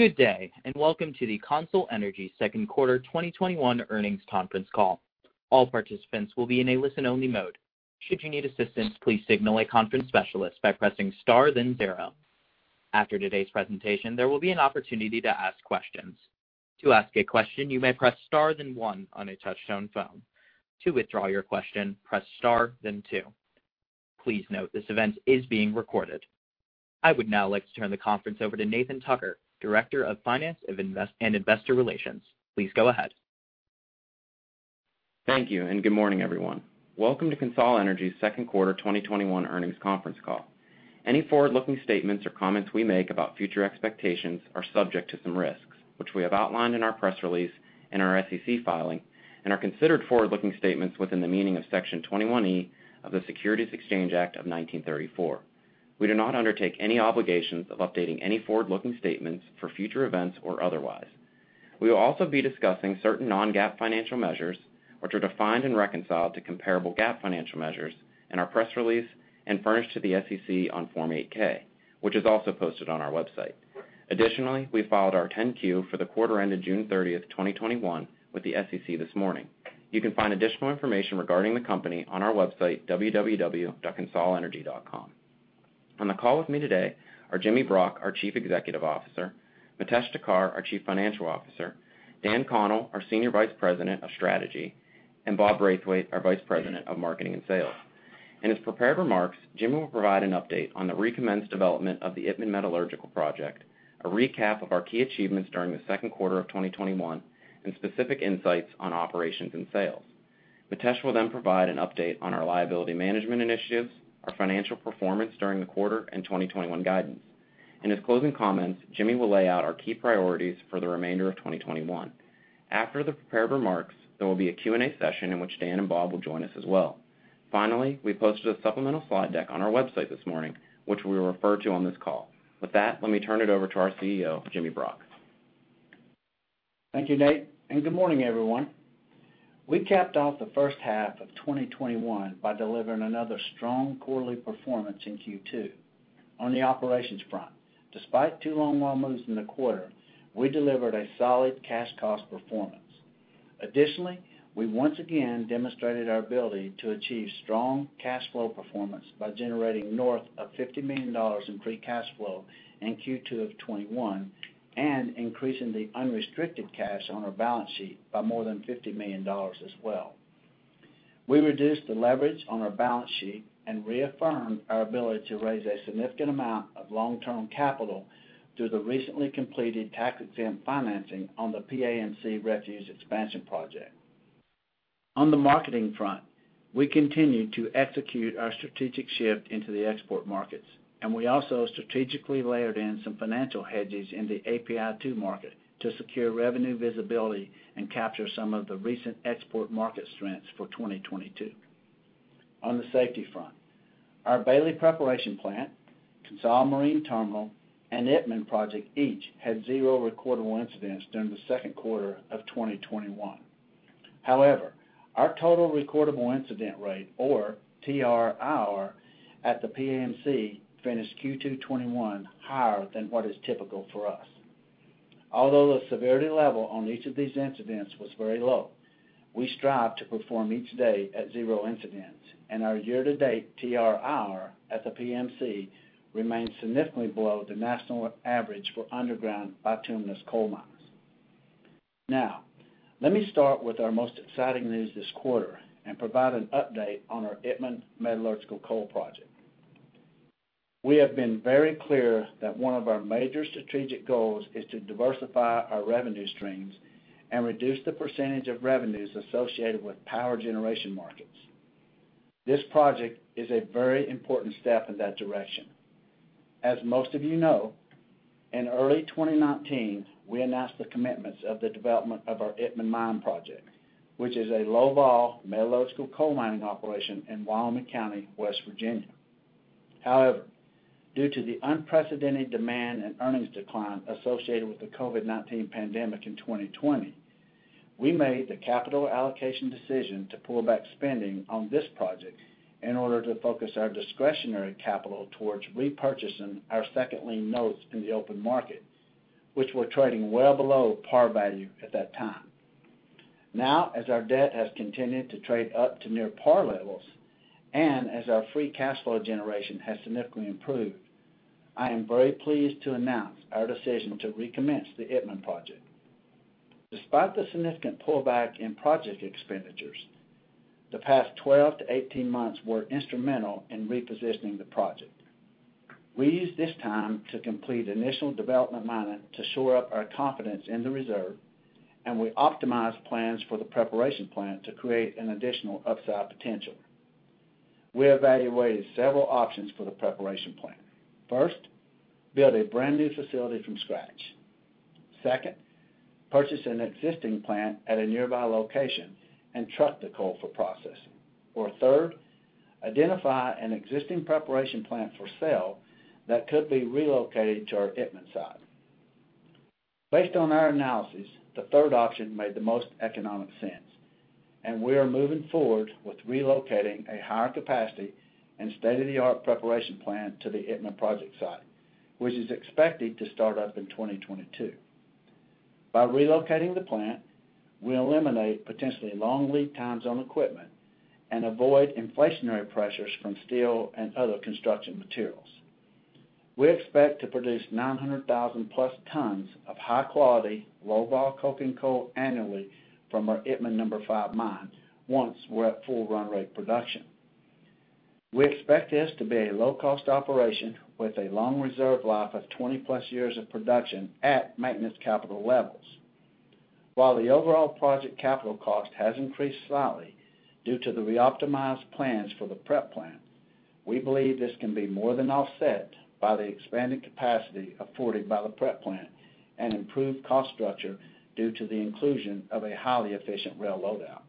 Good day, and welcome to the CONSOL Energy second quarter 2021 earnings conference call. All participants will be in a listen-only mode. Should you need assistance, please signal a conference specialist by pressing star then zero. After today's presentation, there will be an opportunity to ask questions. To ask a question, you may press star then one on a touchstone phone. To withdraw your question, press star then two. Please note this event is being recorded. I would now like to turn the conference over to Nathan Tucker, Director of Finance and Investor Relations. Please go ahead. Thank you, and good morning, everyone. Welcome to CONSOL Energy's second quarter 2021 earnings conference call. Any forward-looking statements or comments we make about future expectations are subject to some risks, which we have outlined in our press release and our SEC filing, and are considered forward-looking statements within the meaning of Section 21E of the Securities Exchange Act of 1934. We do not undertake any obligations of updating any forward-looking statements for future events or otherwise. We will also be discussing certain non-GAAP financial measures, which are defined and reconciled to comparable GAAP financial measures, in our press release and furnished to the SEC on Form 8-K, which is also posted on our website. Additionally, we filed our 10-Q for the quarter ended June 30th, 2021, with the SEC this morning. You can find additional information regarding the company on our website, www.consolenergy.com. On the call with me today are Jimmy Brock, our Chief Executive Officer, Mitesh Thakkar, our Chief Financial Officer, Dan Connell, our Senior Vice President of Strategy, and Bob Braithwaite, our Vice President of Marketing and Sales. In his prepared remarks, Jimmy will provide an update on the recommenced development of the Itmann Metallurgical Project, a recap of our key achievements during the second quarter of 2021, and specific insights on operations and sales. Mitesh will then provide an update on our liability management initiatives, our financial performance during the quarter, and 2021 guidance. In his closing comments, Jimmy will lay out our key priorities for the remainder of 2021. After the prepared remarks, there will be a Q&A session in which Dan and Bob will join us as well. Finally, we posted a supplemental slide deck on our website this morning, which we will refer to on this call. With that, let me turn it over to our CEO, Jimmy Brock. Thank you, Nate. Good morning, everyone. We capped off the first half of 2021 by delivering another strong quarterly performance in Q2. On the operations front, despite two longwall moves in the quarter, we delivered a solid cash cost performance. Additionally, we once again demonstrated our ability to achieve strong cash flow performance by generating north of $50 million in pre-cash flow in Q2 of 2021 and increasing the unrestricted cash on our balance sheet by more than $50 million as well. We reduced the leverage on our balance sheet and reaffirmed our ability to raise a significant amount of long-term capital through the recently completed tax-exempt financing on the PAMC refuge expansion project. On the marketing front, we continued to execute our strategic shift into the export markets, and we also strategically layered in some financial hedges in the API2 market to secure revenue visibility and capture some of the recent export market strengths for 2022. On the safety front, our Bailey Preparation Plant, CONSOL Marine Terminal, and Itmann project each had zero recordable incidents during the second quarter of 2021. However, our total recordable incident rate, or TRIR, at the PAMC finished Q2 2021 higher than what is typical for us. Although the severity level on each of these incidents was very low, we strive to perform each day at zero incidents, and our year-to-date TRIR at the PAMC remains significantly below the national average for underground bituminous coal mines. Now, let me start with our most exciting news this quarter and provide an update on our Itmann Metallurgical Coal project. We have been very clear that one of our major strategic goals is to diversify our revenue streams and reduce the percentage of revenues associated with power generation markets. This project is a very important step in that direction. As most of you know, in early 2019, we announced the commitments of the development of our Itmann Mine project, which is a low-volume metallurgical coal mining operation in Wyoming County, West Virginia. However, due to the unprecedented demand and earnings decline associated with the COVID-19 pandemic in 2020, we made the capital allocation decision to pull back spending on this project in order to focus our discretionary capital towards repurchasing our second-lien notes in the open market, which were trading well below par value at that time. Now, as our debt has continued to trade up to near par levels and as our free cash flow generation has significantly improved, I am very pleased to announce our decision to recommence the Itmann project. Despite the significant pullback in project expenditures, the past 12 months-18 months were instrumental in repositioning the project. We used this time to complete initial development mining to shore up our confidence in the reserve, and we optimized plans for the preparation plant to create an additional upside potential. We evaluated several options for the preparation plant. First, build a brand new facility from scratch. Second, purchase an existing plant at a nearby location and truck the coal for processing. Or third, identify an existing preparation plant for sale that could be relocated to our Itmann site. Based on our analysis, the third option made the most economic sense, and we are moving forward with relocating a higher capacity and state-of-the-art preparation plant to the Itmann Project site, which is expected to start up in 2022. By relocating the plant, we eliminate potentially long lead times on equipment and avoid inflationary pressures from steel and other construction materials. We expect to produce 900,000 plus tons of high-quality low-vol coking coal annually from our Itmann number five mine once we're at full run rate production. We expect this to be a low-cost operation with a long reserve life of 20+ years of production at maintenance capital levels. While the overall project capital cost has increased slightly due to the reoptimized plans for the prep plant, we believe this can be more than offset by the expanded capacity afforded by the prep plant and improved cost structure due to the inclusion of a highly efficient rail loadout.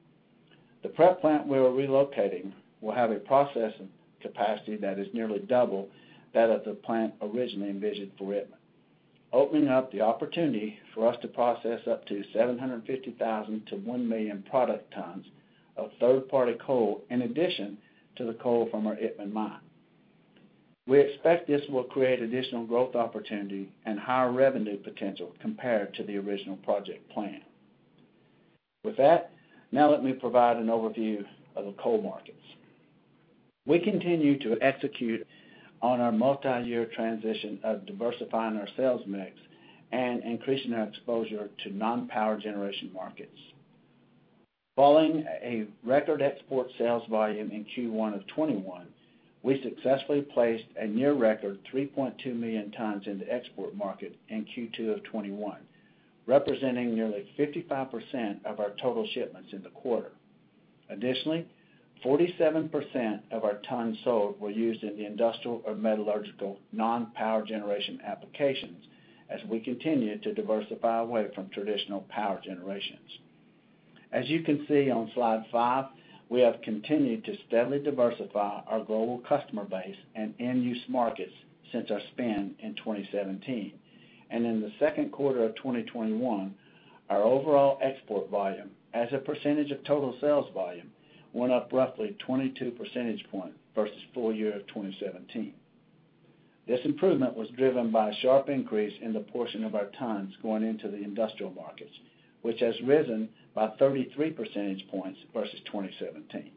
The prep plant we are relocating will have a processing capacity that is nearly double that of the plant originally envisioned for Itmann, opening up the opportunity for us to process up to 750,000-1,000,000 product tons of third-party coal in addition to the coal from our Itmann mine. We expect this will create additional growth opportunity and higher revenue potential compared to the original project plan. With that, now let me provide an overview of the coal markets. We continue to execute on our multi-year transition of diversifying our sales mix and increasing our exposure to non-power generation markets. Following a record export sales volume in Q1 of 2021, we successfully placed a near record 3.2 million tons in the export market in Q2 of 2021, representing nearly 55% of our total shipments in the quarter. Additionally, 47% of our tons sold were used in the industrial or metallurgical non-power generation applications as we continue to diversify away from traditional power generations. As you can see on slide five, we have continued to steadily diversify our global customer base and end-use markets since our spin in 2017. In the second quarter of 2021, our overall export volume as a percentage of total sales volume went up roughly 22 percentage points versus full year of 2017. This improvement was driven by a sharp increase in the portion of our tons going into the industrial markets, which has risen by 33 percentage points versus 2017.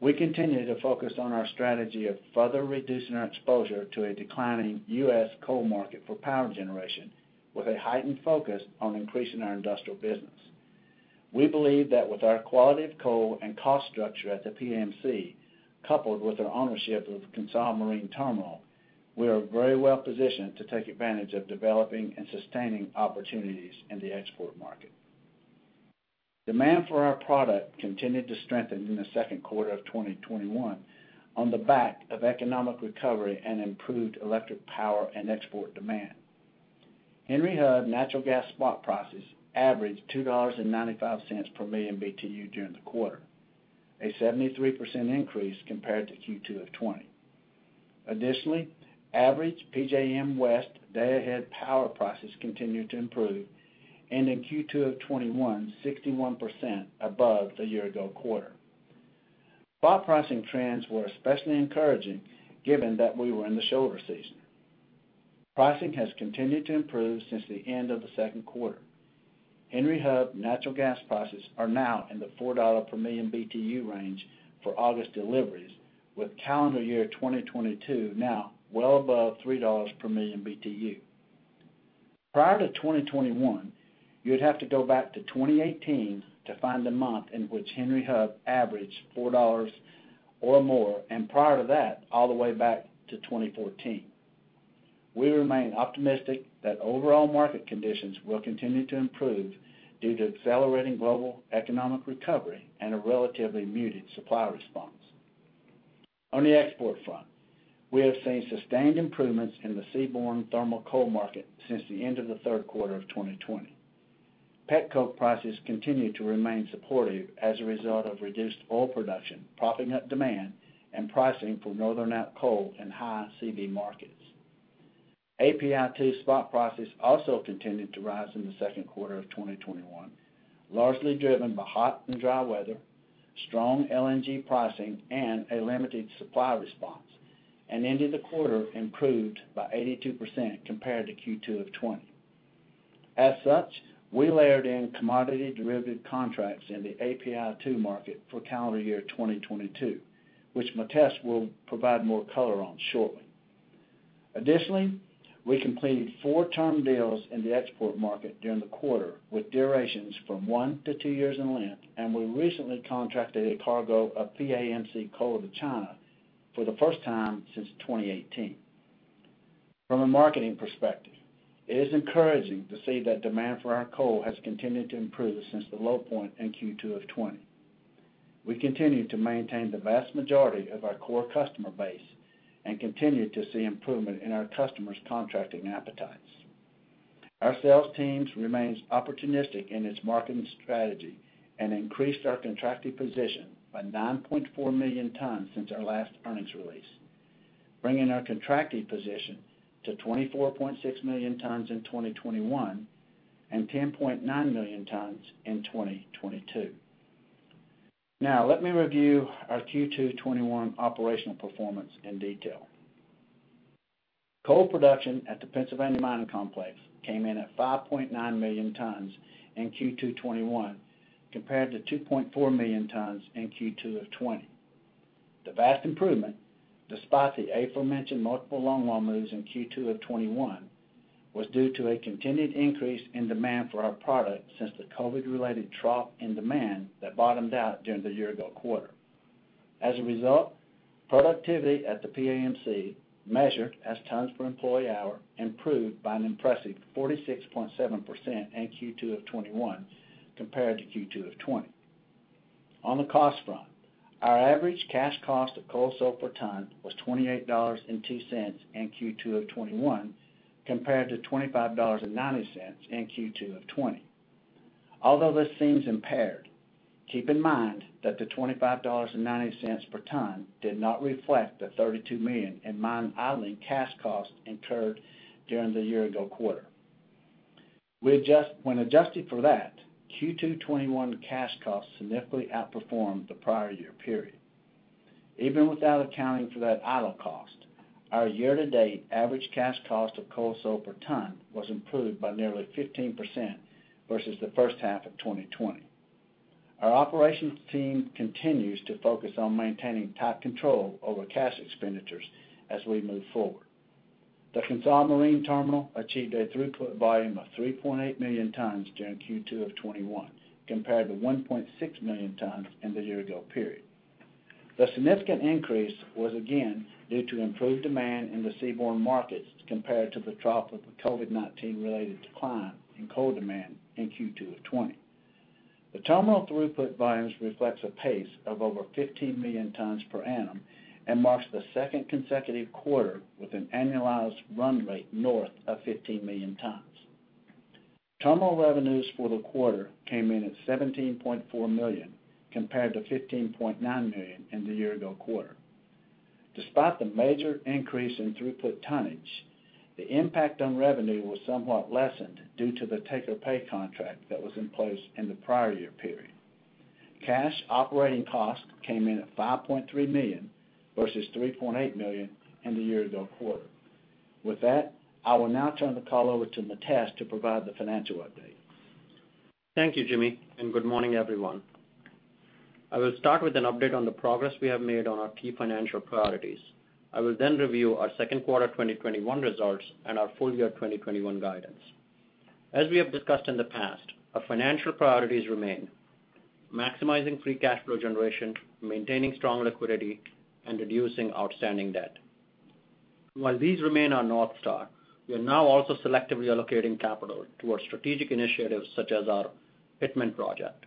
We continue to focus on our strategy of further reducing our exposure to a declining U.S. coal market for power generation with a heightened focus on increasing our industrial business. We believe that with our quality of coal and cost structure at the PAMC, coupled with our ownership of CONSOL Marine Terminal, we are very well positioned to take advantage of developing and sustaining opportunities in the export market. Demand for our product continued to strengthen in the second quarter of 2021 on the back of economic recovery and improved electric power and export demand. Henry Hub Natural Gas spot prices averaged $2.95 per MMBtu during the quarter, a 73% increase compared to Q2 of 2020. Additionally, average PJM West day-ahead power prices continued to improve, ending Q2 of 2021 61% above the year-ago quarter. Spot pricing trends were especially encouraging given that we were in the shoulder season. Pricing has continued to improve since the end of the second quarter. Henry Hub Natural Gas prices are now in the $4 per MMBtu range for August deliveries, with calendar year 2022 now well above $3 per MMBtu. Prior to 2021, you'd have to go back to 2018 to find the month in which Henry Hub averaged $4 or more, and prior to that, all the way back to 2014. We remain optimistic that overall market conditions will continue to improve due to accelerating global economic recovery and a relatively muted supply response. On the export front, we have seen sustained improvements in the seaborne thermal coal market since the end of the third quarter of 2020. Petcoke prices continue to remain supportive as a result of reduced oil production, propping up demand and pricing for [Northern App] coal in high CV markets. API2 spot prices also continued to rise in the second quarter of 2021, largely driven by hot and dry weather, strong LNG pricing, and a limited supply response, and ended the quarter improved by 82% compared to Q2 of 2020. As such, we layered in commodity derivative contracts in the API2 market for calendar year 2022, which Mitesh will provide more color on shortly. Additionally, we completed four term deals in the export market during the quarter with durations from one to two years in length, and we recently contracted a cargo of PAMC coal to China for the first time since 2018. From a marketing perspective, it is encouraging to see that demand for our coal has continued to improve since the low point in Q2 of 2020. We continue to maintain the vast majority of our core customer base and continue to see improvement in our customers' contracting appetites. Our sales team remains opportunistic in its marketing strategy and increased our contracting position by 9.4 million tons since our last earnings release, bringing our contracting position to 24.6 million tons in 2021 and 10.9 million tons in 2022. Now, let me review our Q2 2021 operational performance in detail. Coal production at the Pennsylvania Mining Complex came in at 5.9 million tons in Q2 2021 compared to 2.4 million tons in Q2 of 2020. The vast improvement, despite the aforementioned multiple longwall moves in Q2 of 2021, was due to a continued increase in demand for our product since the COVID-related trough in demand that bottomed out during the year-ago quarter. As a result, productivity at the PAMC, measured as tons per employee hour, improved by an impressive 46.7% in Q2 of 2021 compared to Q2 of 2020. On the cost front, our average cash cost of coal sold per ton was $28.02 in Q2 of 2021 compared to $25.90 in Q2 of 2020. Although this seems impaired, keep in mind that the $25.90 per ton did not reflect the $32 million in mine idling cash cost incurred during the year-ago quarter. When adjusted for that, Q2 2021 cash cost significantly outperformed the prior year period. Even without accounting for that idle cost, our year-to-date average cash cost of coal sold per ton was improved by nearly 15% versus the first half of 2020. Our operations team continues to focus on maintaining tight control over cash expenditures as we move forward. The CONSOL Marine Terminal achieved a throughput volume of 3.8 million tons during Q2 of 2021 compared to 1.6 million tons in the year-ago period. The significant increase was again due to improved demand in the seaborne markets compared to the trough of the COVID-19 related decline in coal demand in Q2 of 2020. The terminal throughput volumes reflect a pace of over 15 million tons per annum and marks the second consecutive quarter with an annualized run rate north of 15 million tons. Terminal revenues for the quarter came in at $17.4 million compared to $15.9 million in the year-ago quarter. Despite the major increase in throughput tonnage, the impact on revenue was somewhat lessened due to the take-or-pay contract that was in place in the prior year period. Cash operating cost came in at $5.3 million versus $3.8 million in the year-ago quarter. With that, I will now turn the call over to Mitesh to provide the financial update. Thank you, Jimmy, and good morning, everyone. I will start with an update on the progress we have made on our key financial priorities. I will then review our second quarter 2021 results and our full year 2021 guidance. As we have discussed in the past, our financial priorities remain maximizing free cash flow generation, maintaining strong liquidity, and reducing outstanding debt. While these remain our north star, we are now also selectively allocating capital towards strategic initiatives such as our Itmann project.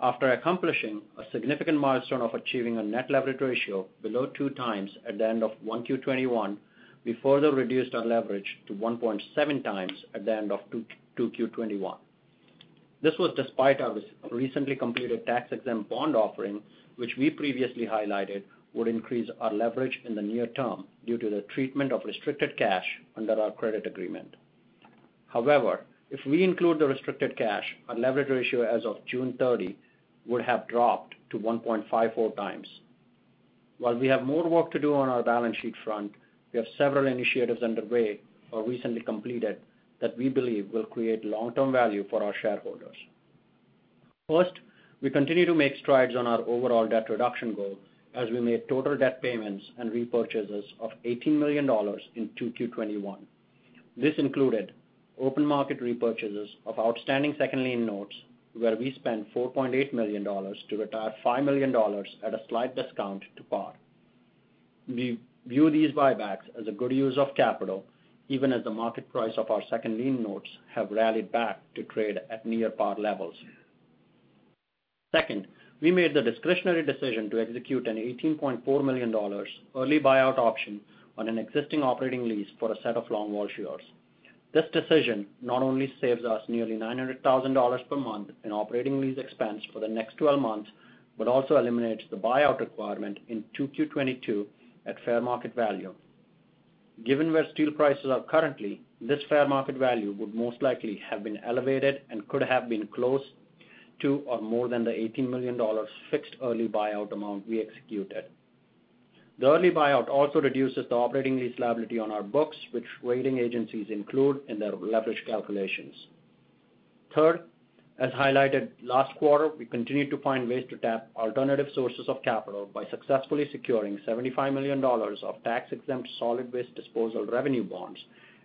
After accomplishing a significant milestone of achieving a net leverage ratio below two times at the end of 1Q 2021, we further reduced our leverage to 1.7 times at the end of 2Q 2021. This was despite our recently completed tax-exempt bond offering, which we previously highlighted would increase our leverage in the near term due to the treatment of restricted cash under our credit agreement. However, if we include the restricted cash, our leverage ratio as of June 30 would have dropped to 1.54 times. While we have more work to do on our balance sheet front, we have several initiatives underway or recently completed that we believe will create long-term value for our shareholders. First, we continue to make strides on our overall debt reduction goal as we made total debt payments and repurchases of $18 million in 2Q 2021. This included open market repurchases of outstanding second-lien notes, where we spent $4.8 million to retire $5 million at a slight discount to par. We view these buybacks as a good use of capital, even as the market price of our second-lien notes has rallied back to trade at near par levels. Second, we made the discretionary decision to execute an $18.4 million early buyout option on an existing operating lease for a set of long haul shares. This decision not only saves us nearly $900,000 per month in operating lease expense for the next 12 months, but also eliminates the buyout requirement in 2Q 2022 at fair market value. Given where steel prices are currently, this fair market value would most likely have been elevated and could have been close to or more than the $18 million fixed early buyout amount we executed. The early buyout also reduces the operating lease liability on our books, which rating agencies include in their leverage calculations. Third, as highlighted last quarter, we continue to find ways to tap alternative sources of capital by successfully securing $75 million of tax-exempt solid waste disposal revenue bonds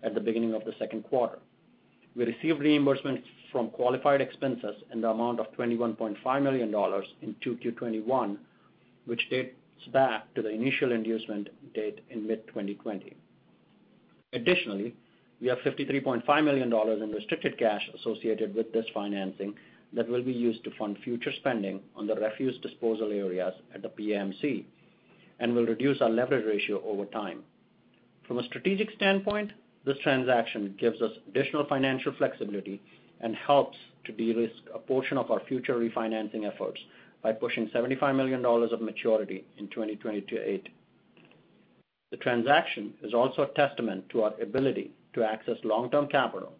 at the beginning of the second quarter. We received reimbursement from qualified expenses in the amount of $21.5 million in 2Q 2021, which dates back to the initial inducement date in mid-2020. Additionally, we have $53.5 million in restricted cash associated with this financing that will be used to fund future spending on the refuse disposal areas at the PAMC and will reduce our leverage ratio over time. From a strategic standpoint, this transaction gives us additional financial flexibility and helps to de-risk a portion of our future refinancing efforts by pushing $75 million of maturity in 2028. The transaction is also a testament to our ability to access long-term capital.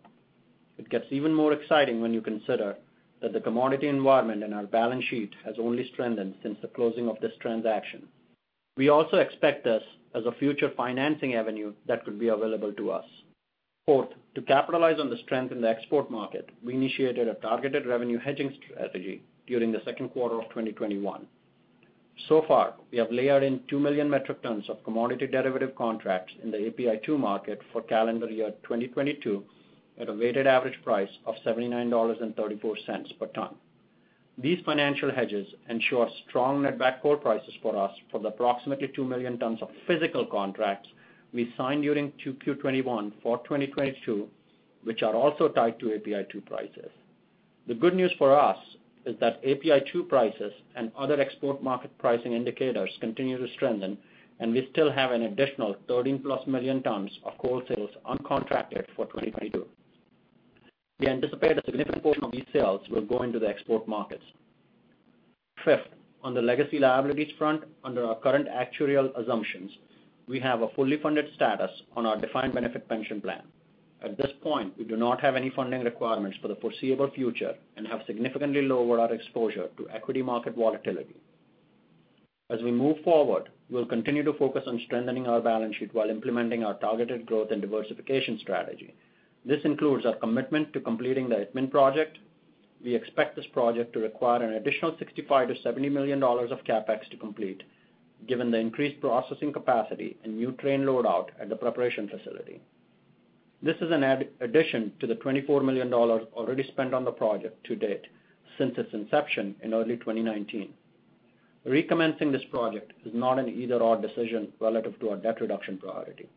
It gets even more exciting when you consider that the commodity environment and our balance sheet have only strengthened since the closing of this transaction. We also expect this as a future financing avenue that could be available to us. Fourth, to capitalize on the strength in the export market, we initiated a targeted revenue hedging strategy during the second quarter of 2021. So far, we have layered in 2 million metric tons of commodity derivative contracts in the API2 market for calendar year 2022 at a weighted average price of $79.34 per ton. These financial hedges ensure strong net back core prices for us for the approximately 2 million tons of physical contracts we signed during 2Q 2021 for 2022, which are also tied to API2 prices. The good news for us is that API2 prices and other export market pricing indicators continue to strengthen, and we still have an additional 13+ million tons of coal sales uncontracted for 2022. We anticipate a significant portion of these sales will go into the export markets. Fifth, on the legacy liabilities front, under our current actuarial assumptions, we have a fully funded status on our defined benefit pension plan. At this point, we do not have any funding requirements for the foreseeable future and have significantly lowered our exposure to equity market volatility. As we move forward, we will continue to focus on strengthening our balance sheet while implementing our targeted growth and diversification strategy. This includes our commitment to completing the Itmann project. We expect this project to require an additional $65 million-$70 million of CapEx to complete, given the increased processing capacity and new train loadout at the preparation facility. This is in addition to the $24 million already spent on the project to date since its inception in early 2019. Recommencing this project is not an either-or decision relative to our debt reduction priority.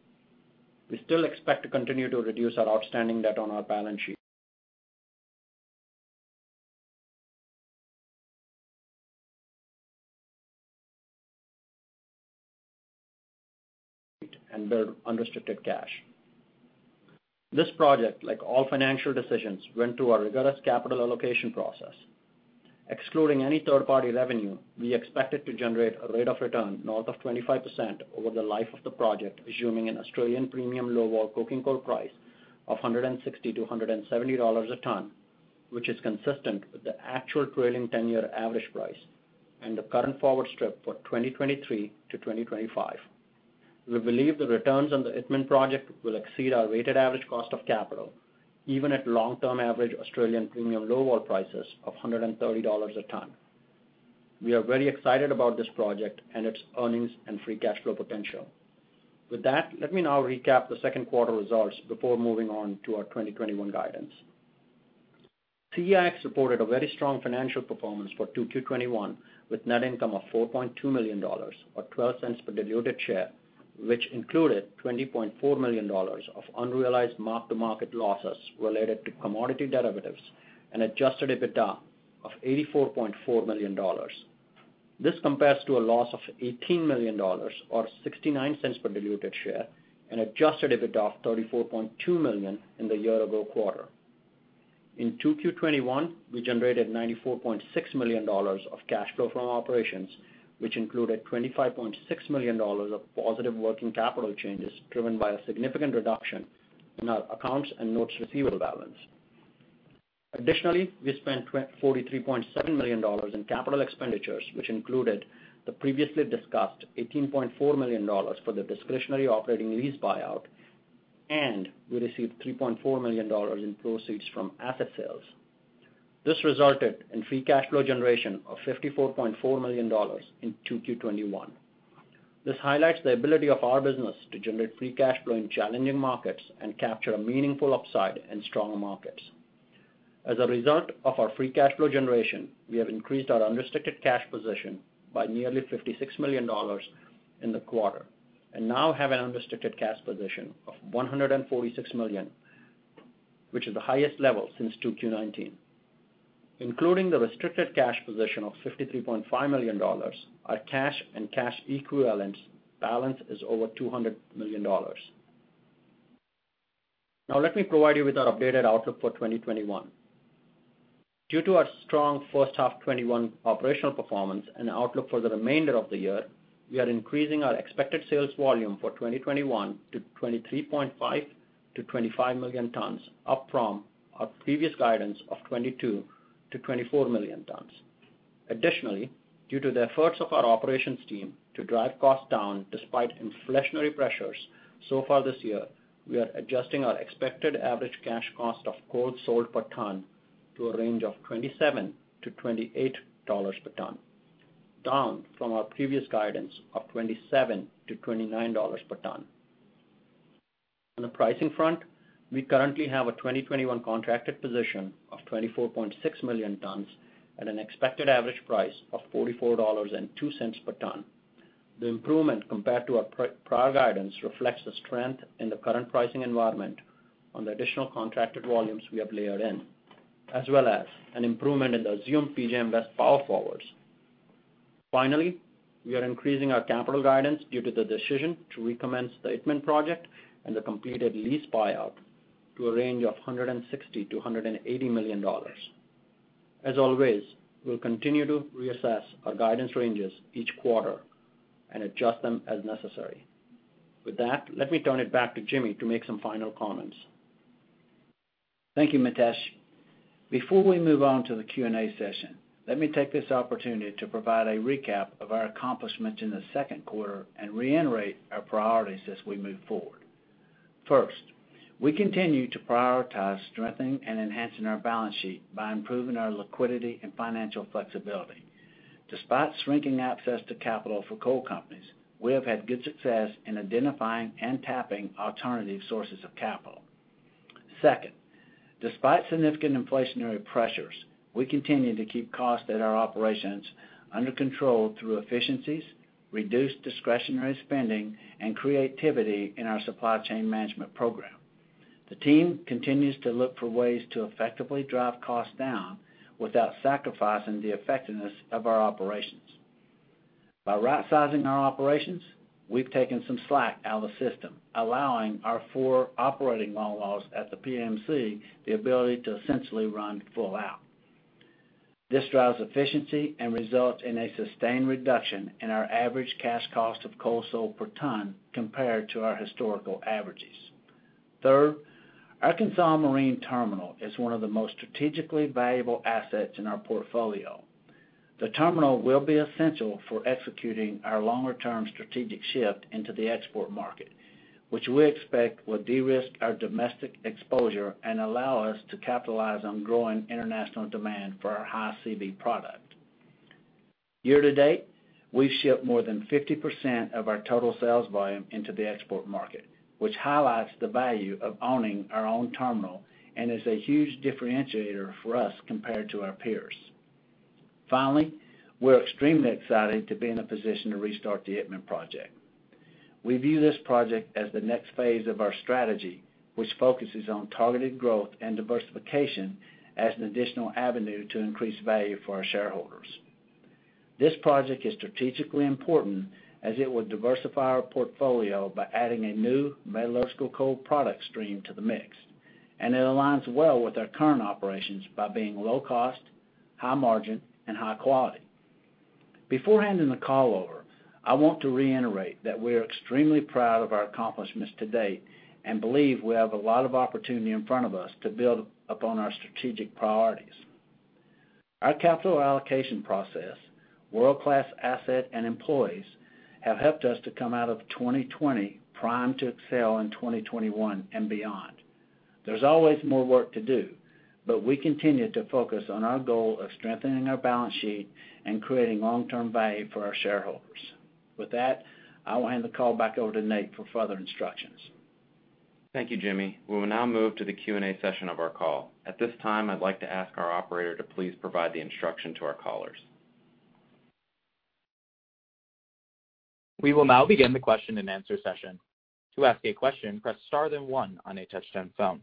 We still expect to continue to reduce our outstanding debt on our balance sheet and build unrestricted cash. This project, like all financial decisions, went through a rigorous capital allocation process. Excluding any third-party revenue, we expect it to generate a rate of return north of 25% over the life of the project, assuming an Australian premium low-vol coking coal price of $160-$170 a ton, which is consistent with the actual trailing 10-year average price and the current forward strip for 2023-2025. We believe the returns on the Itmann project will exceed our weighted average cost of capital, even at long-term average Australian premium low-vol prices of $130 a ton. We are very excited about this project and its earnings and free cash flow potential. With that, let me now recap the second quarter results before moving on to our 2021 guidance. Resources reported a very strong financial performance for 2Q 2021 with net income of $4.2 million or $0.12 per diluted share, which included $20.4 million of unrealized mark-to-market losses related to commodity derivatives and adjusted EBITDA of $84.4 million. This compares to a loss of $18 million or $0.69 per diluted share and adjusted EBITDA of $34.2 million in the year-ago quarter. In 2Q 2021, we generated $94.6 million of cash flow from operations, which included $25.6 million of positive working capital changes driven by a significant reduction in our accounts and notes receivable balance. Additionally, we spent $43.7 million in capital expenditures, which included the previously discussed $18.4 million for the discretionary operating lease buyout, and we received $3.4 million in proceeds from asset sales. This resulted in free cash flow generation of $54.4 million in 2Q 2021. This highlights the ability of our business to generate free cash flow in challenging markets and capture a meaningful upside in strong markets. As a result of our free cash flow generation, we have increased our unrestricted cash position by nearly $56 million in the quarter and now have an unrestricted cash position of $146 million, which is the highest level since 2Q 2019. Including the restricted cash position of $53.5 million, our cash and cash equivalence balance is over $200 million. Now, let me provide you with our updated outlook for 2021. Due to our strong first half 2021 operational performance and outlook for the remainder of the year, we are increasing our expected sales volume for 2021 to 23.5 million-25 million tons, up from our previous guidance of 22 million-24 million tons. Additionally, due to the efforts of our operations team to drive costs down despite inflationary pressures so far this year, we are adjusting our expected average cash cost of coal sold per ton to a range of $27-$28 per ton, down from our previous guidance of $27-$29 per ton. On the pricing front, we currently have a 2021 contracted position of 24.6 million tons at an expected average price of $44.02 per ton. The improvement compared to our prior guidance reflects the strength in the current pricing environment on the additional contracted volumes we have layered in, as well as an improvement in the assumed PJM West power forwards. Finally, we are increasing our capital guidance due to the decision to recommence the Itmann project and the completed lease buyout to a range of $160 million-$180 million. As always, we'll continue to reassess our guidance ranges each quarter and adjust them as necessary. With that, let me turn it back to Jimmy to make some final comments. Thank you, Mitesh. Before we move on to the Q&A session, let me take this opportunity to provide a recap of our accomplishments in the second quarter and reiterate our priorities as we move forward. First, we continue to prioritize strengthening and enhancing our balance sheet by improving our liquidity and financial flexibility. Despite shrinking access to capital for coal companies, we have had good success in identifying and tapping alternative sources of capital. Second, despite significant inflationary pressures, we continue to keep costs at our operations under control through efficiencies, reduced discretionary spending, and creativity in our supply chain management program. The team continues to look for ways to effectively drive costs down without sacrificing the effectiveness of our operations. By right-sizing our operations, we've taken some slack out of the system, allowing our four operating long hauls at the PAMC the ability to essentially run full out. This drives efficiency and results in a sustained reduction in our average cash cost of coal sold per ton compared to our historical averages. Third, CONSOL Marine Terminal is one of the most strategically valuable assets in our portfolio. The terminal will be essential for executing our longer-term strategic shift into the export market, which we expect will de-risk our domestic exposure and allow us to capitalize on growing international demand for our high CV product. Year to date, we've shipped more than 50% of our total sales volume into the export market, which highlights the value of owning our own terminal and is a huge differentiator for us compared to our peers. Finally, we're extremely excited to be in a position to restart the Itmann project. We view this project as the next phase of our strategy, which focuses on targeted growth and diversification as an additional avenue to increase value for our shareholders. This project is strategically important as it will diversify our portfolio by adding a new metallurgical coal product stream to the mix, and it aligns well with our current operations by being low-cost, high-margin, and high-quality. Before handing the call over, I want to reiterate that we are extremely proud of our accomplishments to date and believe we have a lot of opportunity in front of us to build upon our strategic priorities. Our capital allocation process, world-class asset, and employees have helped us to come out of 2020 primed to excel in 2021 and beyond. There's always more work to do, but we continue to focus on our goal of strengthening our balance sheet and creating long-term value for our shareholders. With that, I will hand the call back over to Nate for further instructions. Thank you, Jimmy. We will now move to the Q&A session of our call. At this time, I'd like to ask our operator to please provide the instruction to our callers. We will now begin the question-and-answer session. To ask a question, press star then one on a touch-tone phone.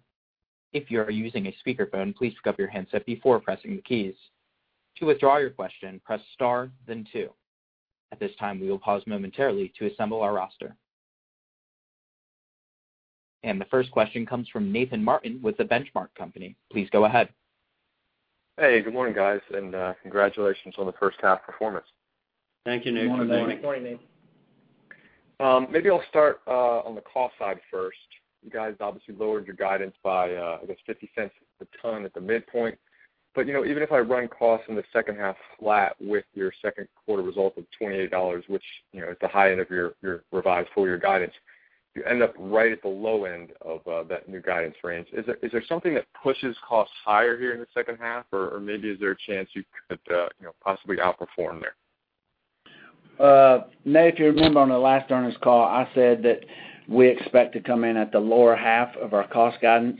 If you are using a speakerphone, please grab your handset before pressing the keys. To withdraw your question, press star then two. At this time, we will pause momentarily to assemble our roster. The first question comes from Nathan Martin with The Benchmark Company. Please go ahead. Hey, good morning, guys, and congratulations on the first half performance. Thank you, Nate. Good morning. Good morning, Nate. Maybe I'll start on the cost side first. You guys obviously lowered your guidance by, I guess, $0.50 per ton at the midpoint. Even if I run costs in the second half flat with your second quarter result of $28, which is the high end of your revised full-year guidance, you end up right at the low end of that new guidance range. Is there something that pushes costs higher here in the second half, or maybe is there a chance you could possibly outperform there? Nate, if you remember on the last earnings call, I said that we expect to come in at the lower half of our cost guidance.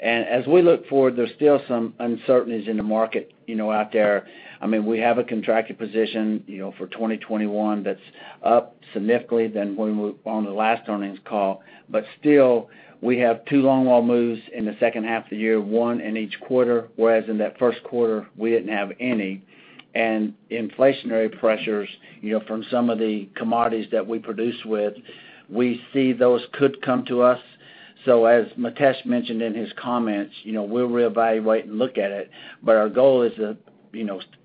As we look forward, there are still some uncertainties in the market out there. I mean, we have a contracted position for 2021 that is up significantly from when we were on the last earnings call. Still, we have two longwall moves in the second half of the year, one in each quarter, whereas in that first quarter, we did not have any. Inflationary pressures from some of the commodities that we produce with, we see those could come to us. As Mitesh mentioned in his comments, we will reevaluate and look at it. Our goal is to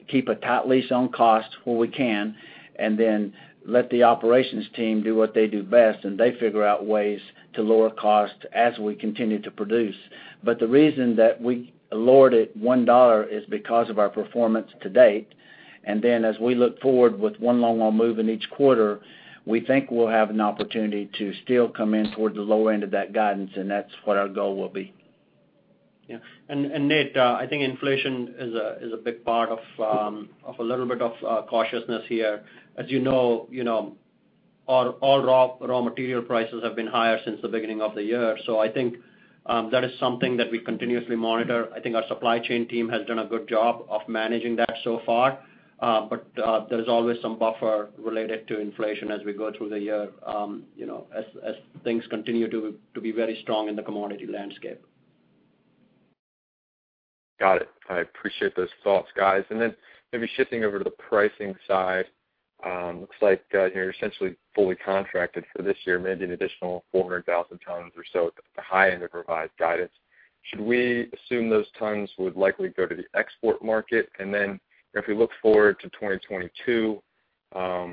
keep a tight lease on costs where we can and then let the operations team do what they do best, and they figure out ways to lower costs as we continue to produce. The reason that we lowered it $1 is because of our performance to date. As we look forward with one longwall move in each quarter, we think we'll have an opportunity to still come in toward the lower end of that guidance, and that's what our goal will be. Yeah. Nate, I think inflation is a big part of a little bit of cautiousness here. As you know, all raw material prices have been higher since the beginning of the year. I think that is something that we continuously monitor. I think our supply chain team has done a good job of managing that so far. There's always some buffer related to inflation as we go through the year as things continue to be very strong in the commodity landscape. Got it. I appreciate those thoughts, guys. Maybe shifting over to the pricing side, looks like you're essentially fully contracted for this year, maybe an additional 400,000 tons or so at the high end of revised guidance. Should we assume those tons would likely go to the export market? If we look forward to 2022, I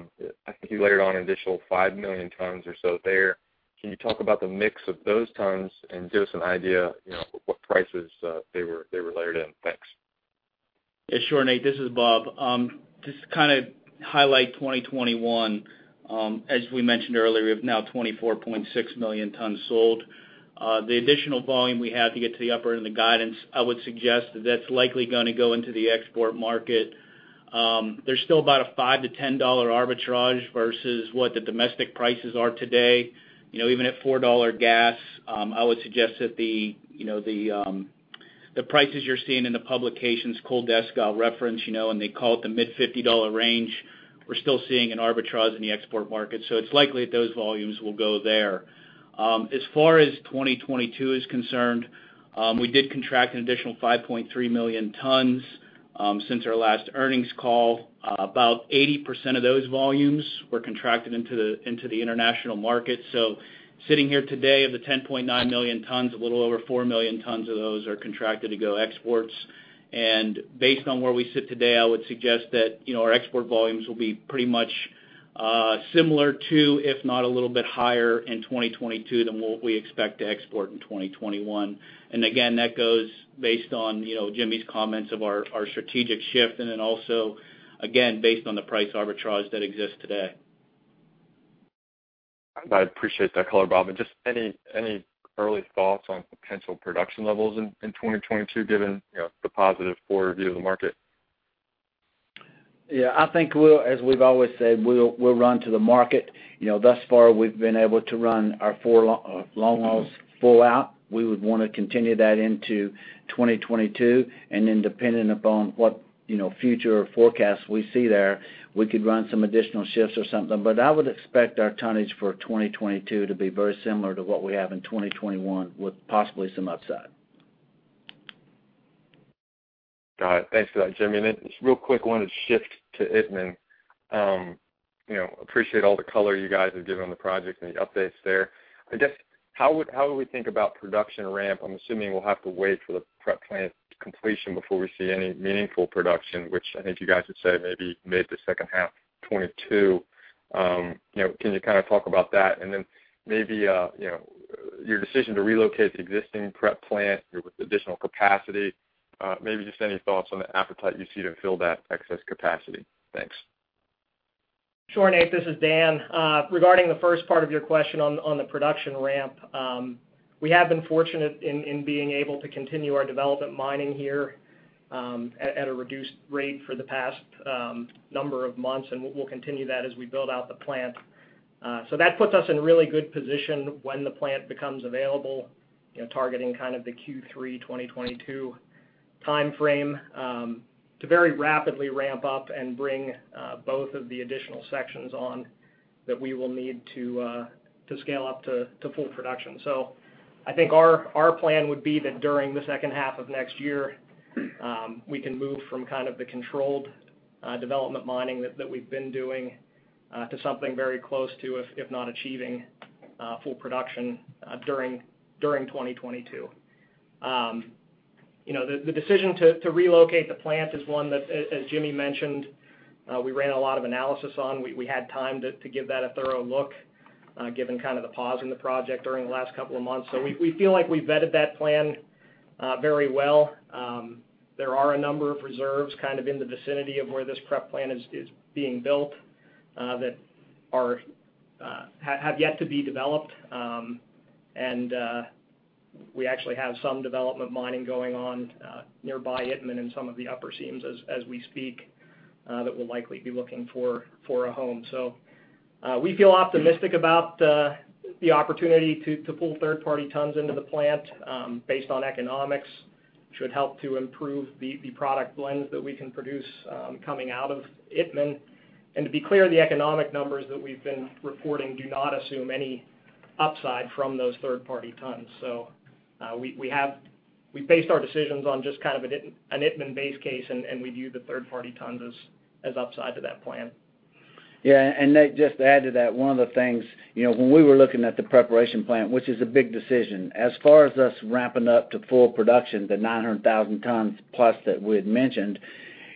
think you layered on an additional 5,000,000 tons or so there. Can you talk about the mix of those tons and give us an idea of what prices they were layered in? Thanks. Yeah, sure, Nate. This is Bob. Just to kind of highlight 2021, as we mentioned earlier, we have now 24.6 million tons sold. The additional volume we have to get to the upper end of the guidance, I would suggest that that's likely going to go into the export market. There's still about a $5-$10 arbitrage versus what the domestic prices are today. Even at $4 gas, I would suggest that the prices you're seeing in the publications Coal Desk reference, and they call it the mid $50 range, we're still seeing an arbitrage in the export market. It is likely that those volumes will go there. As far as 2022 is concerned, we did contract an additional 5.3 million tons since our last earnings call. About 80% of those volumes were contracted into the international market. Sitting here today, of the 10.9 million tons, a little over 4,000,000 tons of those are contracted to go exports. Based on where we sit today, I would suggest that our export volumes will be pretty much similar to, if not a little bit higher in 2022 than what we expect to export in 2021. That goes based on Jimmy's comments of our strategic shift and also, again, based on the price arbitrage that exists today. I appreciate that call, Bob. Just any early thoughts on potential production levels in 2022, given the positive forward view of the market? Yeah. I think, as we've always said, we'll run to the market. Thus far, we've been able to run our four longwalls full out. We would want to continue that into 2022. Depending upon what future forecasts we see there, we could run some additional shifts or something. I would expect our tonnage for 2022 to be very similar to what we have in 2021 with possibly some upside. Got it. Thanks for that, Jimmy. Just real quick, I wanted to shift to Itmann. Appreciate all the color you guys have given on the project and the updates there. I guess, how would we think about production ramp? I'm assuming we'll have to wait for the prep plant completion before we see any meaningful production, which I think you guys would say maybe mid to second half 2022. Can you kind of talk about that? Maybe your decision to relocate the existing prep plant with additional capacity, maybe just any thoughts on the appetite you see to fill that excess capacity. Thanks. Sure, Nate. This is Dan. Regarding the first part of your question on the production ramp, we have been fortunate in being able to continue our development mining here at a reduced rate for the past number of months, and we will continue that as we build out the plant. That puts us in a really good position when the plant becomes available, targeting kind of the Q3 2022 timeframe to very rapidly ramp up and bring both of the additional sections on that we will need to scale up to full production. I think our plan would be that during the second half of next year, we can move from kind of the controlled development mining that we have been doing to something very close to, if not achieving, full production during 2022. The decision to relocate the plant is one that, as Jimmy mentioned, we ran a lot of analysis on. We had time to give that a thorough look, given kind of the pause in the project during the last couple of months. We feel like we've vetted that plan very well. There are a number of reserves kind of in the vicinity of where this prep plant is being built that have yet to be developed. We actually have some development mining going on nearby Itmann and some of the upper seams as we speak that will likely be looking for a home. We feel optimistic about the opportunity to pull third-party tons into the plant based on economics. It should help to improve the product blends that we can produce coming out of Itmann. To be clear, the economic numbers that we've been reporting do not assume any upside from those third-party tons. We based our decisions on just kind of an Itmann base case, and we view the third-party tons as upside to that plan. Yeah. And Nate, just to add to that, one of the things when we were looking at the preparation plant, which is a big decision, as far as us ramping up to full production, the 900,000 tons plus that we had mentioned,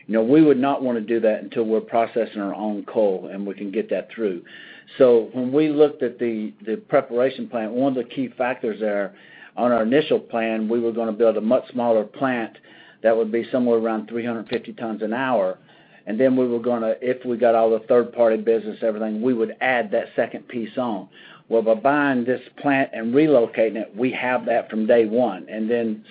we would not want to do that until we are processing our own coal and we can get that through. When we looked at the preparation plant, one of the key factors there on our initial plan, we were going to build a much smaller plant that would be somewhere around 350 tons an hour. Then we were going to, if we got all the third-party business, everything, we would add that second piece on. By buying this plant and relocating it, we have that from day one.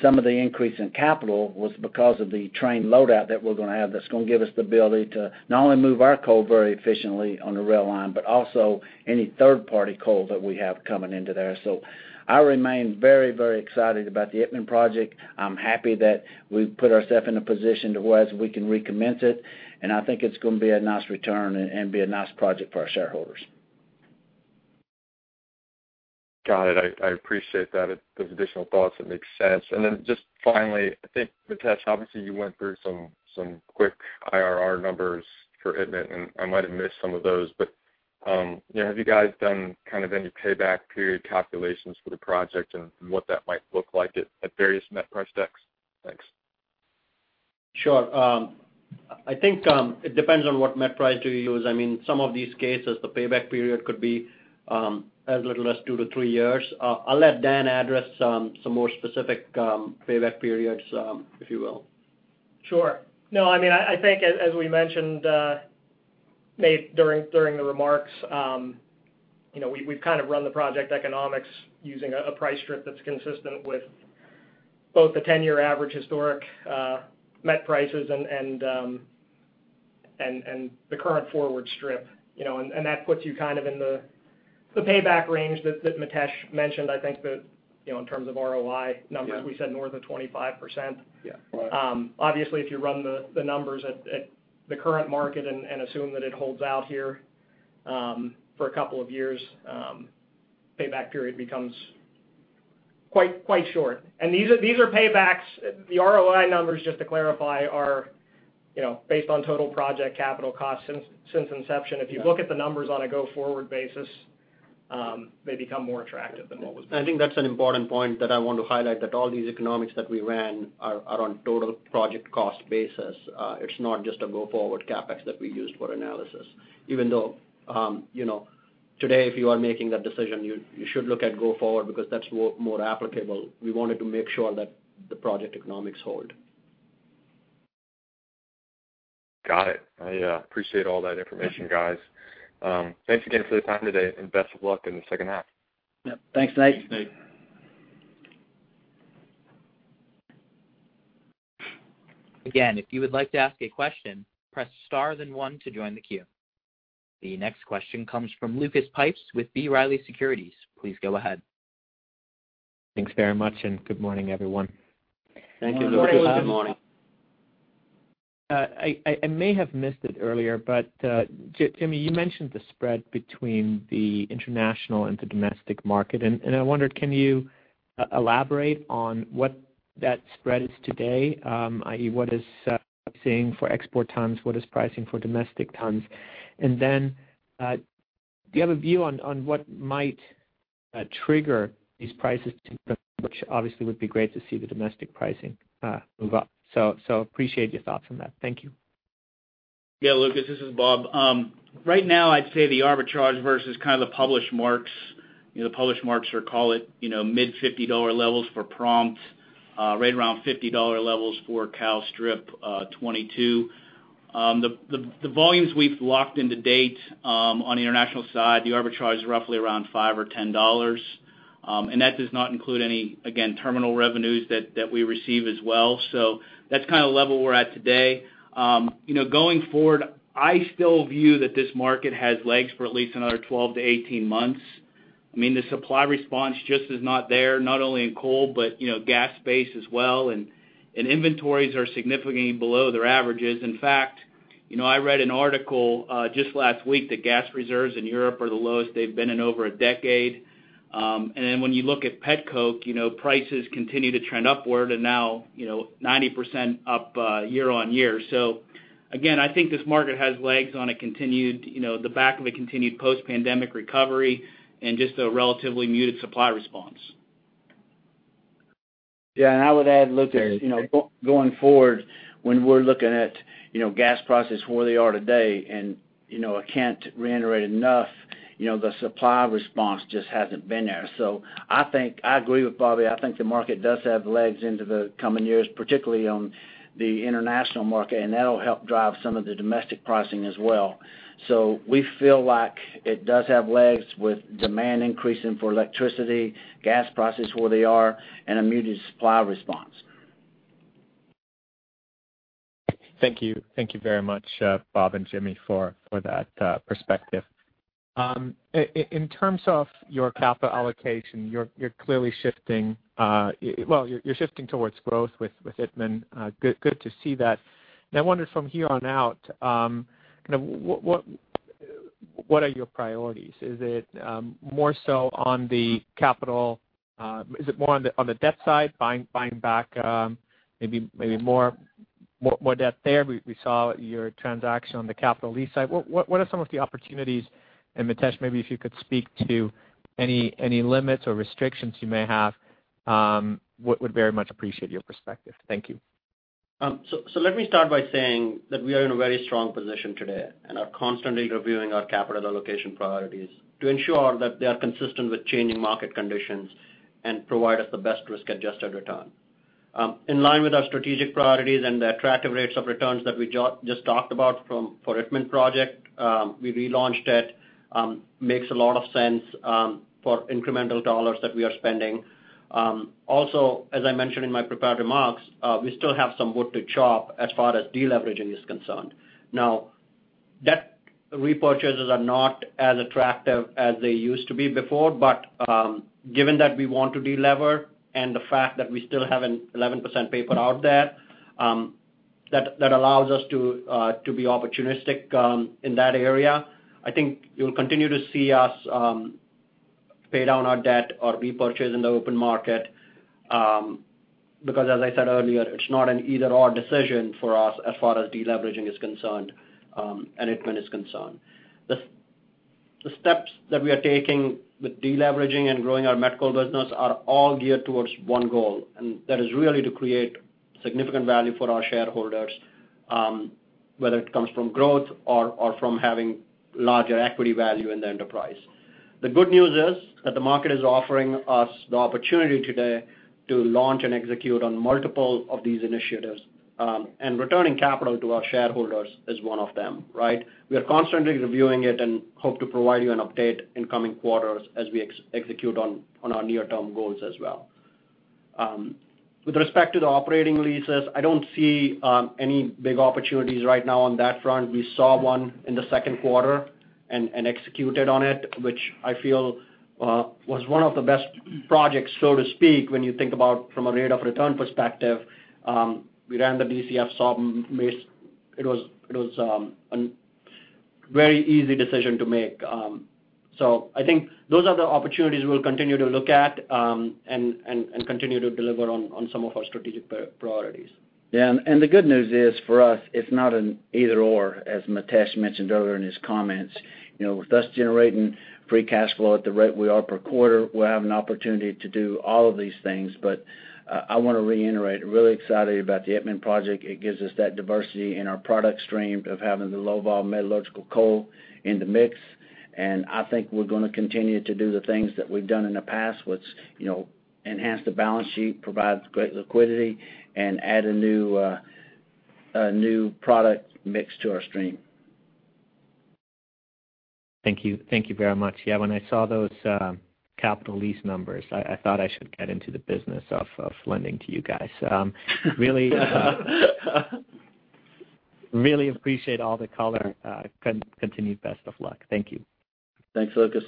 Some of the increase in capital was because of the train loadout that we are going to have that is going to give us the ability to not only move our coal very efficiently on the rail line, but also any third-party coal that we have coming into there. I remain very, very excited about the Itmann project. I am happy that we have put ourself in a position to where we can recommence it. I think it is going to be a nice return and be a nice project for our shareholders. Got it. I appreciate that. Those additional thoughts, it makes sense. Just finally, I think, Mitesh, obviously, you went through some quick IRR numbers for Itmann, and I might have missed some of those. Have you guys done kind of any payback period calculations for the project and what that might look like at various net price decks? Thanks. Sure. I think it depends on what net price you use. I mean, some of these cases, the payback period could be as little as two to three years. I'll let Dan address some more specific payback periods, if you will. Sure. No, I mean, I think, as we mentioned, Nate, during the remarks, we've kind of run the project economics using a price strip that's consistent with both the 10-year average historic net prices and the current forward strip. That puts you kind of in the payback range that Mitesh mentioned, I think, that in terms of ROI numbers, we said north of 25%. Obviously, if you run the numbers at the current market and assume that it holds out here for a couple of years, payback period becomes quite short. These are paybacks. The ROI numbers, just to clarify, are based on total project capital costs since inception. If you look at the numbers on a go-forward basis, they become more attractive than what was before. I think that is an important point that I want to highlight, that all these economics that we ran are on total project cost basis. It is not just a go-forward CapEx that we used for analysis. Even though today, if you are making that decision, you should look at go-forward because that is more applicable. We wanted to make sure that the project economics hold. Got it. I appreciate all that information, guys. Thanks again for the time today, and best of luck in the second half. Thanks, Nate. Again, if you would like to ask a question, press star then one to join the queue. The next question comes from Lucas Pipes with B. Riley Securities. Please go ahead. Thanks very much, and good morning, everyone. Thank you. Good morning. I may have missed it earlier, but Jimmy, you mentioned the spread between the international and the domestic market. I wondered, can you elaborate on what that spread is today, i.e., what is pricing for export tons, what is pricing for domestic tons? Do you have a view on what might trigger these prices, which obviously would be great to see the domestic pricing move up? Appreciate your thoughts on that. Thank you. Yeah, Lucas, this is Bob. Right now, I'd say the arbitrage versus kind of the published marks, the published marks are, call it, mid $50 levels for prompt, right around $50 levels for [coal strip] 2022. The volumes we've locked in to date on the international side, the arbitrage is roughly around $5 or $10. That does not include any, again, terminal revenues that we receive as well. That's kind of the level we're at today. Going forward, I still view that this market has legs for at least another 12 months-18 months. I mean, the supply response just is not there, not only in coal, but gas space as well. Inventories are significantly below their averages. In fact, I read an article just last week that gas reserves in Europe are the lowest they've been in over a decade. When you look at petcoke, prices continue to trend upward and now 90% up year-on-year. I think this market has legs on the back of a continued post-pandemic recovery and just a relatively muted supply response. I would add, Lucas, going forward, when we're looking at gas prices where they are today, and I can't reiterate enough, the supply response just hasn't been there. I agree with Bobby. I think the market does have legs into the coming years, particularly on the international market, and that'll help drive some of the domestic pricing as well. We feel like it does have legs with demand increasing for electricity, gas prices where they are, and a muted supply response. Thank you. Thank you very much, Bob and Jimmy, for that perspective. In terms of your capital allocation, you're clearly shifting, you're shifting towards growth with Itmann. Good to see that. I wondered from here on out, kind of what are your priorities? Is it more so on the capital? Is it more on the debt side, buying back maybe more debt there? We saw your transaction on the capital lease side. What are some of the opportunities? Mitesh, maybe if you could speak to any limits or restrictions you may have, would very much appreciate your perspective. Thank you. Let me start by saying that we are in a very strong position today and are constantly reviewing our capital allocation priorities to ensure that they are consistent with changing market conditions and provide us the best risk-adjusted return. In line with our strategic priorities and the attractive rates of returns that we just talked about for Itmann project, we relaunched it. Makes a lot of sense for incremental dollars that we are spending. Also, as I mentioned in my prepared remarks, we still have some wood to chop as far as deleveraging is concerned. Now, debt repurchases are not as attractive as they used to be before, but given that we want to delever and the fact that we still have an 11% paper out there that allows us to be opportunistic in that area, I think you'll continue to see us pay down our debt or repurchase in the open market because, as I said earlier, it's not an either-or decision for us as far as deleveraging is concerned and Itmann is concerned. The steps that we are taking with deleveraging and growing our [met coal] business are all geared towards one goal, and that is really to create significant value for our shareholders, whether it comes from growth or from having larger equity value in the enterprise. The good news is that the market is offering us the opportunity today to launch and execute on multiple of these initiatives, and returning capital to our shareholders is one of them, right? We are constantly reviewing it and hope to provide you an update in coming quarters as we execute on our near-term goals as well. With respect to the operating leases, I do not see any big opportunities right now on that front. We saw one in the second quarter and executed on it, which I feel was one of the best projects, so to speak, when you think about from a rate of return perspective. We ran the DCF sub. It was a very easy decision to make. I think those are the opportunities we'll continue to look at and continue to deliver on some of our strategic priorities. Yeah. The good news is for us, it's not an either-or, as Mitesh mentioned earlier in his comments. With us generating free cash flow at the rate we are per quarter, we'll have an opportunity to do all of these things. I want to reiterate, really excited about the Itmann project. It gives us that diversity in our product stream of having the low-vol metallurgical coal in the mix. I think we're going to continue to do the things that we've done in the past, which enhance the balance sheet, provide great liquidity, and add a new product mix to our stream. Thank you. Thank you very much. Yeah. When I saw those capital lease numbers, I thought I should get into the business of lending to you guys. Really appreciate all the color. Continued best of luck. Thank you. Thanks, Lucas.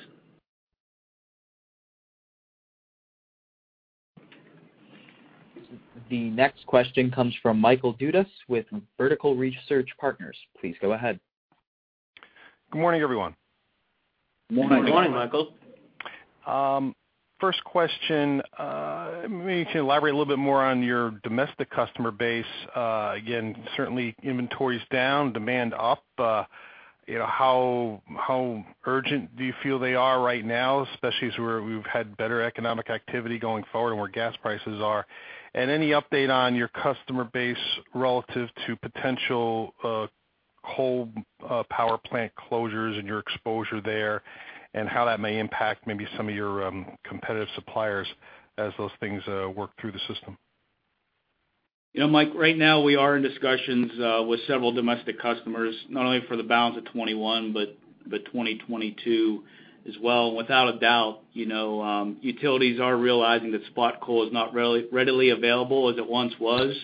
The next question comes from Michael Dudas with Vertical Research Partners. Please go ahead. Good morning, everyone. Good morning. Good morning, Michael. First question, maybe you can elaborate a little bit more on your domestic customer base. Again, certainly inventories down, demand up. How urgent do you feel they are right now, especially as we've had better economic activity going forward and where gas prices are? Any update on your customer base relative to potential coal power plant closures and your exposure there and how that may impact maybe some of your competitive suppliers as those things work through the system? Mike, right now, we are in discussions with several domestic customers, not only for the balance of 2021, but 2022 as well. Without a doubt, utilities are realizing that spot coal is not readily available as it once was.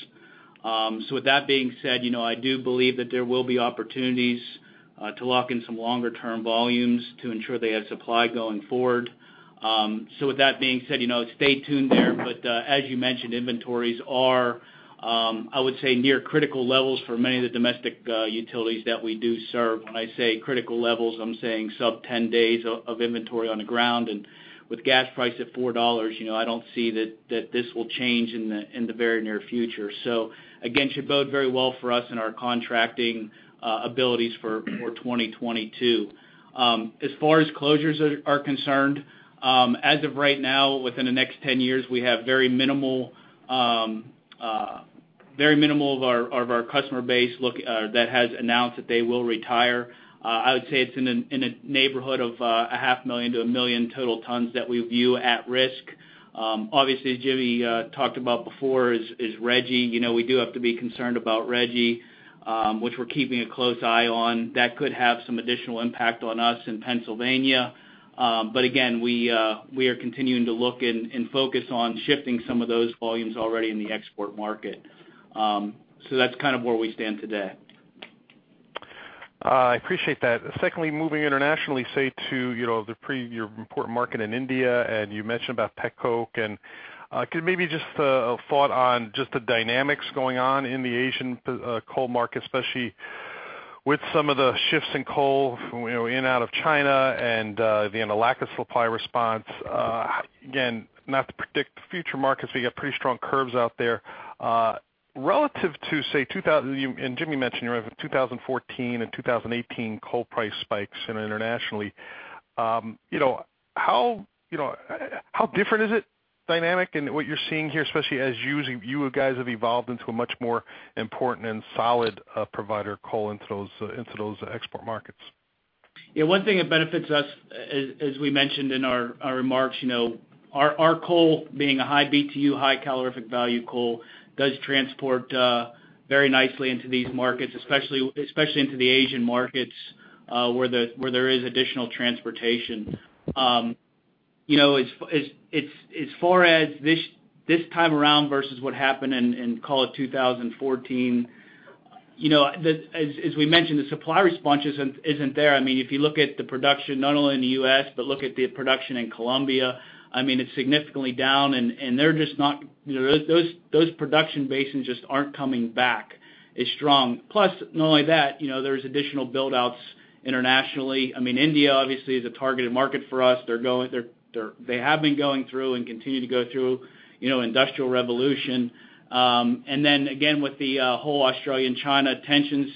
With that being said, I do believe that there will be opportunities to lock in some longer-term volumes to ensure they have supply going forward. With that being said, stay tuned there. As you mentioned, inventories are, I would say, near critical levels for many of the domestic utilities that we do serve. When I say critical levels, I am saying sub-10 days of inventory on the ground. With gas price at $4, I do not see that this will change in the very near future. It should bode very well for us and our contracting abilities for 2022. As far as closures are concerned, as of right now, within the next 10 years, we have very minimal of our customer base that has announced that they will retire. I would say it is in the neighborhood of 500,000-1,000,000 total tons that we view at risk. Obviously, as Jimmy talked about before, is Reggie. We do have to be concerned about Reggie, which we are keeping a close eye on. That could have some additional impact on us in Pennsylvania. We are continuing to look and focus on shifting some of those volumes already in the export market. That is kind of where we stand today. I appreciate that. Secondly, moving internationally, say to your important market in India, and you mentioned about petcoke. Maybe just a thought on just the dynamics going on in the Asian coal market, especially with some of the shifts in coal in and out of China and the lack of supply response. Again, not to predict future markets, we got pretty strong curves out there. Relative to, say, and Jimmy mentioned you have 2014 and 2018 coal price spikes internationally, how different is it dynamic in what you're seeing here, especially as you guys have evolved into a much more important and solid provider of coal into those export markets? Yeah. One thing that benefits us, as we mentioned in our remarks, our coal being a high Btu, high calorific value coal does transport very nicely into these markets, especially into the Asian markets where there is additional transportation. As far as this time around versus what happened in, call it, 2014, as we mentioned, the supply response isn't there. I mean, if you look at the production, not only in the U.S., but look at the production in Colombia, I mean, it's significantly down, and those production bases just aren't coming back as strong. Plus, not only that, there's additional buildouts internationally. I mean, India, obviously, is a targeted market for us. They have been going through and continue to go through industrial revolution. Then, again, with the whole Australia and China tensions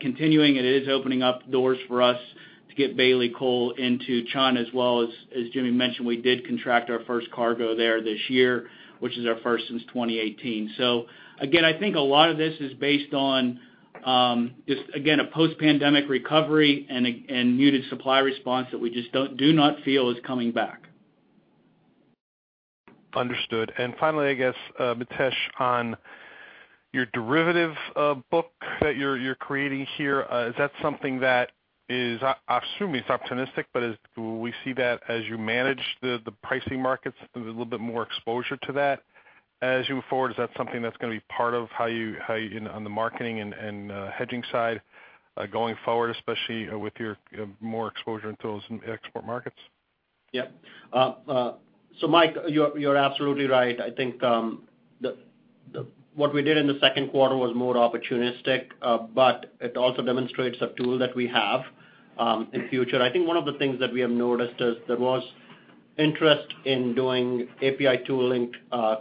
continuing, it is opening up doors for us to get Bailey coal into China as well. As Jimmy mentioned, we did contract our first cargo there this year, which is our first since 2018. I think a lot of this is based on just, again, a post-pandemic recovery and muted supply response that we just do not feel is coming back. Understood. Finally, I guess, Mitesh, on your derivative book that you're creating here, is that something that is—I assume it's opportunistic, but do we see that as you manage the pricing markets, a little bit more exposure to that as you move forward? Is that something that's going to be part of how you on the marketing and hedging side going forward, especially with your more exposure into those export markets? Yep. Mike, you're absolutely right. I think what we did in the second quarter was more opportunistic, but it also demonstrates a tool that we have in future. I think one of the things that we have noticed is there was interest in doing [API tooling]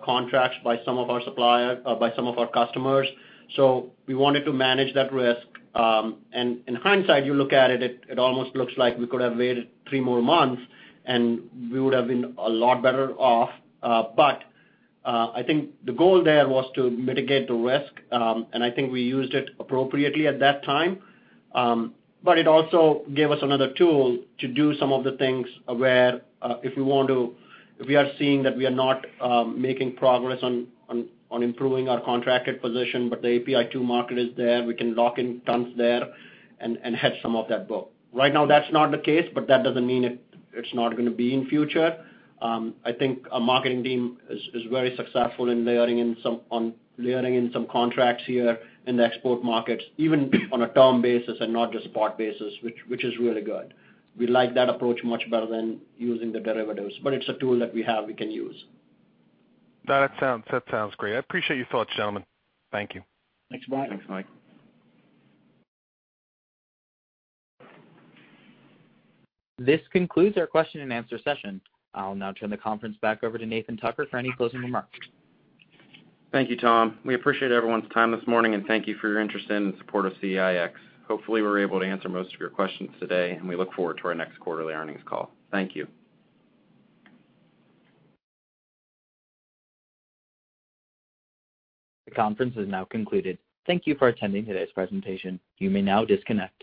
contracts by some of our suppliers, by some of our customers. We wanted to manage that risk. In hindsight, you look at it, it almost looks like we could have waited three more months, and we would have been a lot better off. I think the goal there was to mitigate the risk, and I think we used it appropriately at that time. It also gave us another tool to do some of the things where if we want to, if we are seeing that we are not making progress on improving our contracted position, but the API2 market is there, we can lock in tons there and hedge some of that book. Right now, that's not the case, but that doesn't mean it's not going to be in future. I think our marketing team is very successful in layering in some contracts here in the export markets, even on a term basis and not just spot basis, which is really good. We like that approach much better than using the derivatives, but it's a tool that we have we can use. That sounds great. I appreciate your thoughts, gentlemen. Thank you. Thanks, Mike. Thanks, Mike. This concludes our question and answer session. I'll now turn the conference back over to Nathan Tucker for any closing remarks. Thank you, Tom. We appreciate everyone's time this morning, and thank you for your interest in and support of CEIX. Hopefully, we were able to answer most of your questions today, and we look forward to our next quarterly earnings call. Thank you. The conference is now concluded. Thank you for attending today's presentation. You may now disconnect.